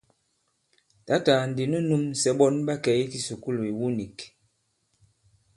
Tǎtà ndi nu nūmsɛ ɓɔn ɓa kɛ̀ i kisùkulù ìwu nīk.